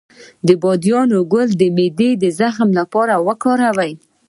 د بابونه ګل د معدې د زخم لپاره وکاروئ